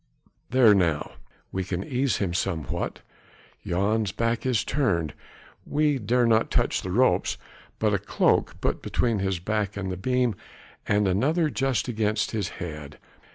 There! now we can ease him somewhat. Jan's back is turned: we dare not touch the ropes, but a cloak put between his back and the beam, and another just against his head.